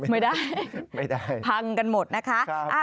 ไม่ได้พังกันหมดนะคะ